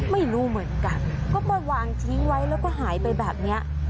ไม่รู้เหมือนกันก็มาวางทิ้งไว้แล้วก็หายไปแบบนี้